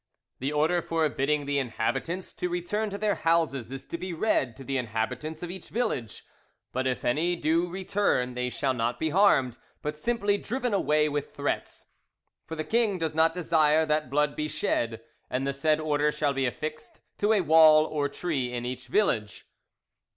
The order forbidding the inhabitants to return to their houses is to be read to the inhabitants of each village; but if any do return they shall not be harmed, but simply driven away with threats; for the king does not desire that blood be shed; and the said order shall be affixed to a wall or tree in each village.